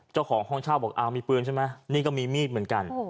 เจ้าของห้องเช่าบอกอ้าวมีปืนใช่ไหมนี่ก็มีมีดเหมือนกัน